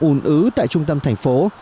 ùn ứ tại trung tâm thành phố